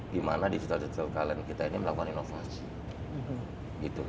di mana digital talent kita ini melakukan inovasi